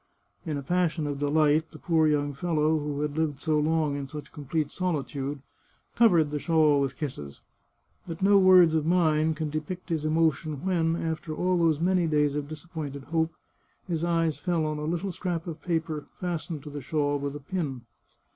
In a pas sion of delight the poor young fellow, who had lived so long in such complete solitude, covered the shawl with kisses. But no words of mine can depict his emotion when, after all those many days of disappointed hope, his eyes fell on a little scrap of paper, fastened to the shawl with a pin.